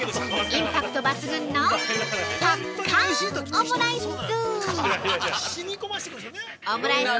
インパクト抜群のぱっかーんオムライス！